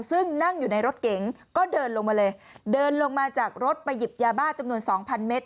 ซึ่งนั่งอยู่ในรถเก๋งก็เดินลงมาเลยเดินลงมาจากรถไปหยิบยาบ้าจำนวนสองพันเมตร